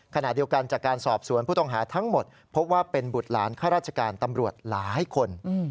ขณะเดียวกันจากการสอบสวนผู้ต้องหาทั้งหมดพบว่าเป็นบุตรหลานข้าราชการตำรวจหลายคน